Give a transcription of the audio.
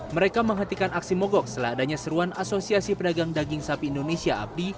mereka menghentikan aksi mogok setelah adanya seruan asosiasi pedagang daging sapi indonesia abdi